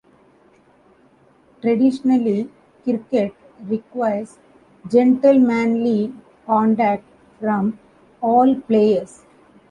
Traditionally, cricket requires "gentlemanly" conduct from all players.